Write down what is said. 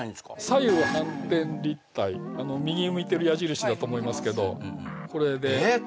左右反転立体あの右に向いてる矢印だと思いますけどこれでえっ